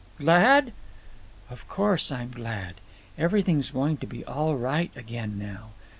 "Glad!" "Of course I'm glad. Everything's going to be all right again now.